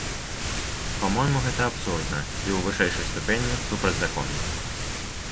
Па-мойму, гэта абсурдна, і ў вышэйшай ступені супрацьзаконна.